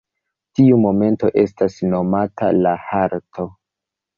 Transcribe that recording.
Tiu momento estas nomata la halto.